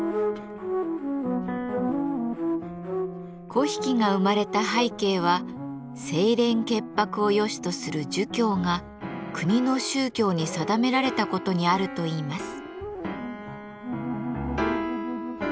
粉引が生まれた背景は清廉潔白をよしとする儒教が国の宗教に定められた事にあるといいます。